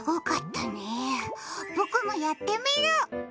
僕もやってみる！